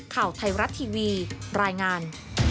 ข่าวไทยรัฐทีวีรายงาน